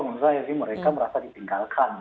menurut saya sih mereka merasa ditinggalkan